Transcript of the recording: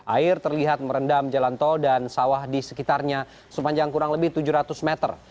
air terlihat merendam jalan tol dan sawah di sekitarnya sepanjang kurang lebih tujuh ratus meter